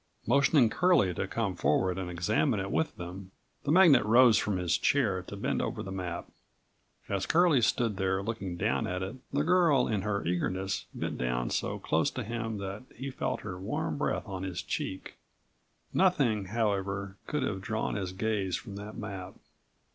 Motioning Curlie to come forward and examine it with them, the magnate rose from his chair to bend over the map. As Curlie stood there looking down at it, the girl in her eagerness bent down so close to him that he felt her warm breath on his cheek. Nothing, however, could have drawn his gaze from that map.